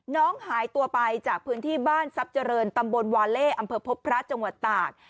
น้องหายตัวไปจากพื้นที่บ้านทรัพย์เจริญตำบลวาเล่อำเภอพบพระจังหวัดตาก